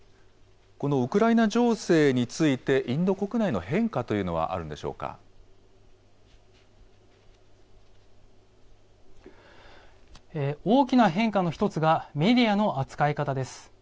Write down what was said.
このウクライナ情勢について、インド国内の変化というのはある大きな変化の一つが、メディアの扱い方です。